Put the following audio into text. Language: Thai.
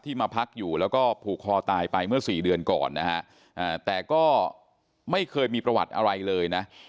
มาพักอยู่แล้วก็ผูกคอตายไปเมื่อสี่เดือนก่อนนะฮะแต่ก็ไม่เคยมีประวัติอะไรเลยนะ